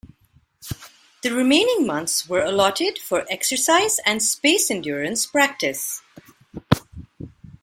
The remaining months were allotted for exercise and space endurance practice.